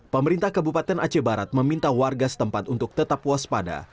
pemerintah kabupaten aceh barat meminta warga setempat untuk tetap waspada